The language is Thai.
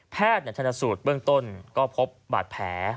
แพทย์ทันสูตรเบื้องต้นก็พบบาดแผล